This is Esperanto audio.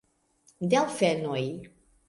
Delfenoj!